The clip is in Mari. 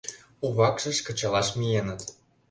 У вакшыш кычалаш миеныт.